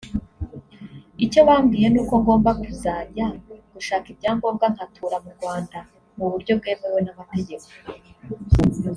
icyo bambwiye ni uko ngomba kuzajya gushaka ibyangombwa nkatura mu Rwanda mu buryo bwemewe n’amategeko